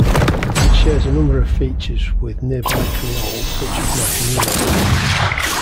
It shares a number of features with nearby creoles such as Macanese.